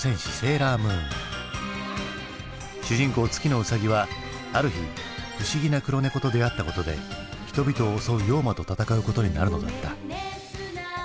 主人公月野うさぎはある日不思議な黒猫と出会ったことで人々を襲う妖魔と戦うことになるのだった。